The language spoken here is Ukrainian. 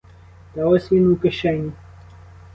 Та ось він у кишені!